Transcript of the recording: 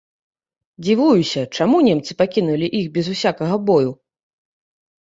Дзівуюся, чаму немцы пакінулі іх без усякага бою.